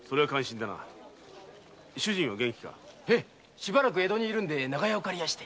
しばらく江戸に居るんで長屋を借りまして。